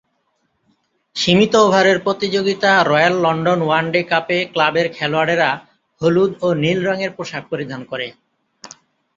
সীমিত ওভারের প্রতিযোগিতা রয়্যাল লন্ডন ওয়ান-ডে কাপে ক্লাবের খেলোয়াড়েরা হলুদ ও নীল রংয়ের পোশাক পরিধান করে।